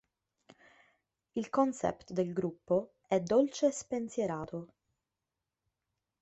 Il concept del gruppo è dolce e spensierato.